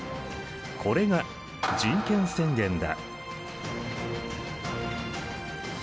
これが人権宣言だ。